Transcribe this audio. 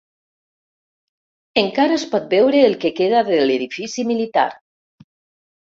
Encara es pot veure el que queda de l'edifici militar.